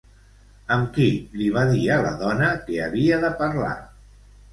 Amb qui li va dir a la dona que havia de parlar?